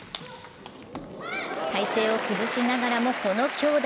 体勢を崩しながらもこの強打。